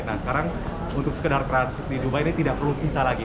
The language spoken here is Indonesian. nah sekarang untuk sekedar transit di dubai ini tidak perlu bisa lagi